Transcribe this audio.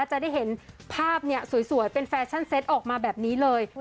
จะได้เห็นภาพสวยเป็นแฟชั่นเซตออกมาแบบนี้เลย